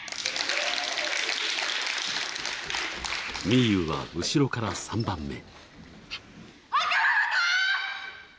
みゆうは、後ろから３番目。